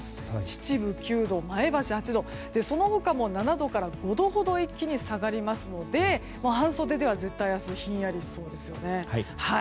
秩父９度前橋は８度その他も７度から５度ほど一気に下がりますので半袖では絶対に明日ひんやりしそうですよね。